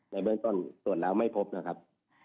ในเบื้องต้นตรวจแล้วไม่พบนะครับ